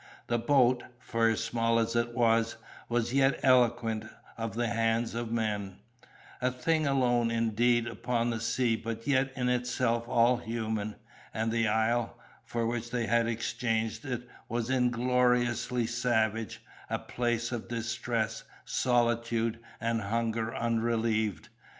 The boat, for as small as it was, was yet eloquent of the hands of men, a thing alone indeed upon the sea but yet in itself all human; and the isle, for which they had exchanged it, was ingloriously savage, a place of distress, solitude, and hunger unrelieved.